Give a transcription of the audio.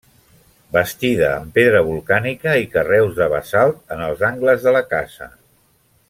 Bastida amb pedra volcànica i carreus de basalt en els angles de la casa.